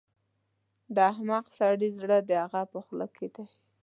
د احمق سړي زړه د هغه په خوله کې دی.